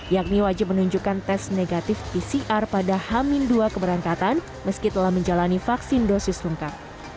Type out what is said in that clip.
yakni wajib menunjukkan tes negatif pcr pada hamin dua keberangkatan meski telah menjalani vaksin dosis lengkap